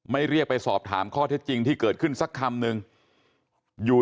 เรียกไปสอบถามข้อเท็จจริงที่เกิดขึ้นสักคำนึงอยู่